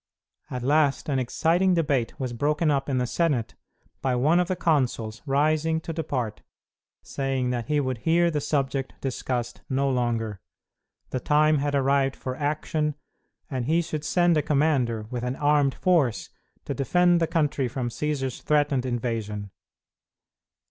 At last an exciting debate was broken up in the Senate by one of the consuls rising to depart, saying that he would hear the subject discussed no longer. The time had arrived for action, and he should send a commander, with an armed force, to defend the country from Cćsar's threatened invasion.